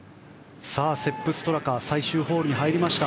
セップ・ストラカ最終ホールに入りました。